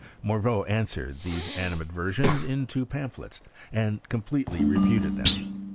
Morveau answered these animadversions in two pamphlets, and com pletely refuted them.